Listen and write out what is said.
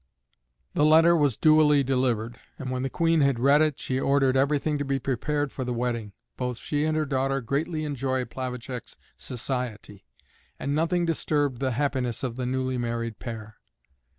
The letter was duly delivered, and when the Queen had read it, she ordered everything to be prepared for the wedding. Both she and her daughter greatly enjoyed Plavacek's society, and nothing disturbed the happiness of the newly married pair.